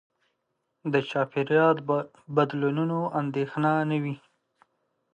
د چاپېریال بدلونونو اندېښنه نه وي.